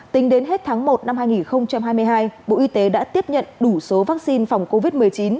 tính đến hết tháng một năm hai nghìn hai mươi hai bộ y tế đã tiếp nhận đủ số vaccine phòng covid một mươi chín